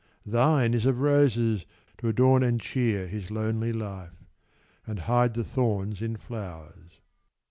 Thine is of roses, to adorn and cheer His lonely life, and hide the thorns in flowers."